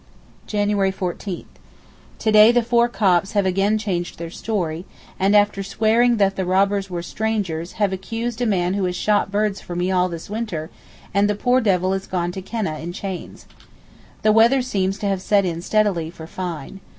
January 14.—To day the four Copts have again changed their story, and after swearing that the robbers were strangers, have accused a man who has shot birds for me all this winter: and the poor devil is gone to Keneh in chains. The weather seems to have set in steadily for fine.